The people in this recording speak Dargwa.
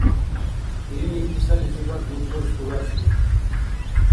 Илини кисализибад мутӏрус дурасиб.